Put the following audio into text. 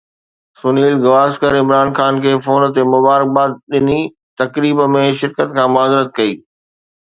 سنيل گواسڪر عمران خان کي فون تي مبارڪباد ڏني، تقريب ۾ شرڪت کان معذرت ڪئي